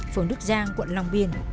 phường đức giang quận long biên